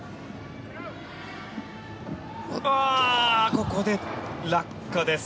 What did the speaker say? ここで落下です。